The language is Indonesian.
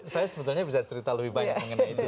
saya sebetulnya bisa cerita lebih banyak mengenai itu